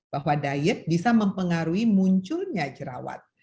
bahwa diet bisa mempengaruhi munculnya jerawat